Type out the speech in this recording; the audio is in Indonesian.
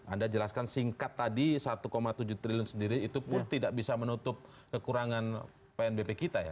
anda jelaskan singkat tadi satu tujuh triliun sendiri itu pun tidak bisa menutup kekurangan pnbp kita ya